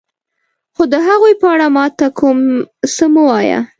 خو د هغوی په اړه ما ته کوم څه مه وایه.